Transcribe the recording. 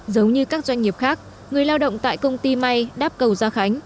giống như các doanh nghiệp khác người lao động tại công ty may đáp cầu gia khánh